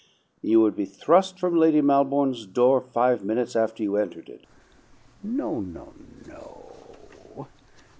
You would be thrust from Lady Malbourne's door five minutes after you entered it." "No, no, no!"